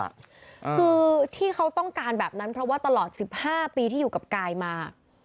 คือที่เขาต้องการแบบนั้นเพราะว่าตลอด๑๕ปีที่อยู่กับกายมา